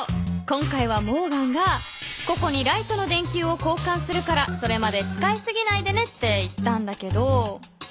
今回はモーガンがココにライトの電球をこうかんするからそれまで使いすぎないでねって言ったんだけど。